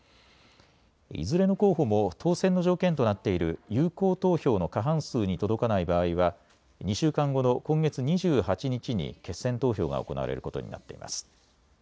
いずれの候補も当選の条件となっている有効投票の過半数に届かない場合は２週間後の今月２８日に決選投票が行われることになっています。